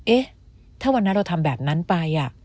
เอ๊ะถ้าวันนั้นเราทำแบบนั้นไป